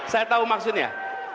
saya tahu maksudnya